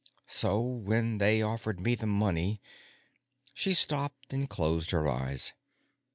So when they offered me the money " She stopped and closed her eyes.